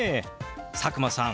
佐久間さん